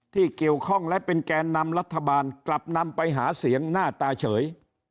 ที่เกี่ยวข้องและเป็นแกนนำรัฐบาลกลับนำไปหาเสียงหน้าตาเฉย